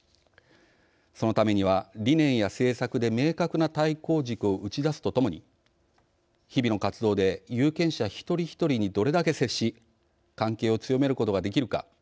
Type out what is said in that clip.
そのためには理念や政策で明確な対抗軸を打ち出すとともに日々の活動で有権者一人一人にどれだけ接し関係を強めることができるか。